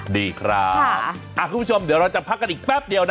ดีครับคุณผู้ชมเดี๋ยวเราจะพักกันอีกแป๊บเดียวนะ